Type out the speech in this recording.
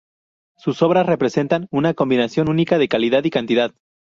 Sus obras representan una combinación única de calidad y cantidad.